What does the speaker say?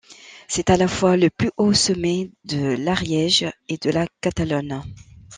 C'est à la fois le plus haut sommet de l'Ariège et de la Catalogne.